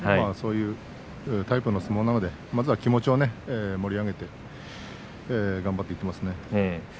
そういうタイプの相撲なのでまずは気持ちを盛り上げて頑張ってもらいたいと思いますね。